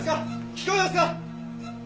聞こえますか？